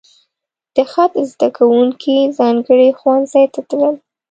د خط زده کوونکي ځانګړي ښوونځي ته تلل.